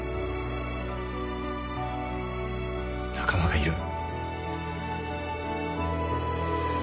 仲間がいる。